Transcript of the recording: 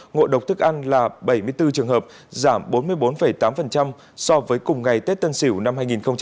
ngộ độc thức ăn là bảy mươi bốn trường hợp giảm bốn mươi bốn tám so với cùng ngày tết tân sửu năm hai nghìn hai mươi một